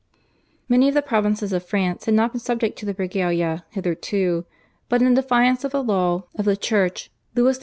Many of the provinces of France had not been subject to the /Regalia/ hitherto, but in defiance of the law of the Church Louis XIV.